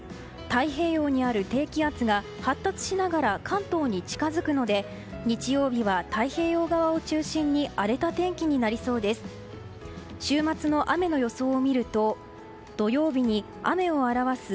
太平洋にある低気圧が発達しながら関東に近づくので日曜日は太平洋側を中心に荒れた天気になりそうです。